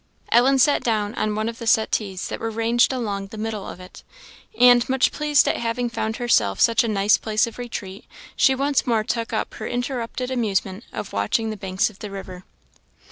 Ellen sat down on one of the settees that were ranged along the middle of it, and much pleased at having found herself such a nice place of retreat, she once more took up her interrupted amusement of watching the banks of the river.